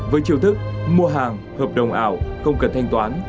với chiều thức mua hàng hợp đồng ảo không cần thanh toán